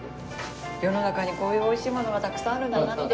世の中にこういう美味しいものがたくさんあるんだなって。